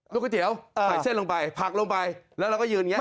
ก๋วยเตี๋ยวใส่เส้นลงไปผักลงไปแล้วเราก็ยืนอย่างนี้